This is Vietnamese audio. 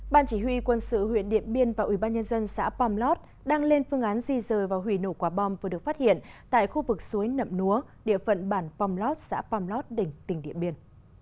ban chỉ huy quân sự huyện điện biên và ubnd xã pomlot đang lên phương án di rời và hủy nổ quả bom vừa được phát hiện tại khu vực suối nậm núa địa phận bản pomlot xã pomlot đỉnh tỉnh điện biên